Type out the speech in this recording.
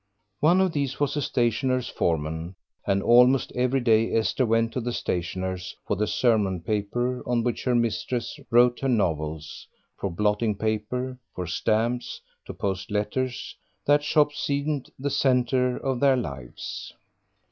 One of these was a stationer's foreman, and almost every day Esther went to the stationer's for the sermon paper on which her mistress wrote her novels, for blotting paper, for stamps, to post letters that shop seemed the centre of their lives.